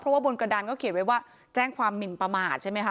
เพราะว่าบนกระดานก็เขียนไว้ว่าแจ้งความหมินประมาทใช่ไหมคะ